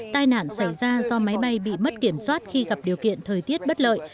tai nạn xảy ra do máy bay bị mất kiểm soát khi gặp điều kiện thời tiết bất lợi